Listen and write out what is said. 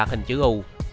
còn chữ u